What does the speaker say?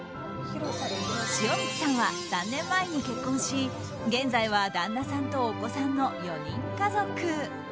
塩満さんは３年前に結婚し現在は旦那さんとお子さんの４人家族。